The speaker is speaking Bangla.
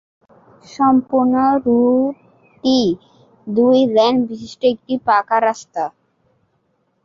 সম্পূর্ণ রুটটি দুই লেন বিশিষ্ট একটি পাকা রাস্তা।